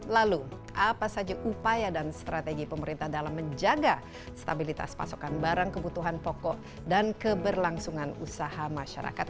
lalu apa saja upaya dan strategi pemerintah dalam menjaga stabilitas pasokan barang kebutuhan pokok dan keberlangsungan usaha masyarakat